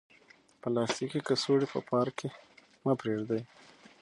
پلاستیکي کڅوړې په پارک کې مه پریږدئ.